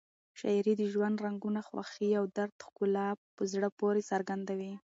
شاعري د ژوند رنګونه، خوښۍ او درد ښکلا په زړه پورې څرګندوي.